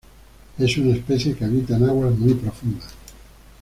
Es una especie que habita en aguas muy profundas.